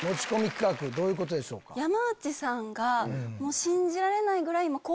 山内さんが。